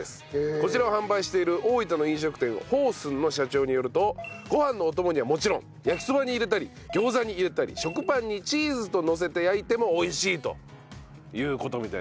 こちらを販売している大分の飲食店方寸の社長によるとごはんのお供にはもちろん焼きそばに入れたり餃子に入れたり食パンにチーズとのせて焼いても美味しいという事みたいですね。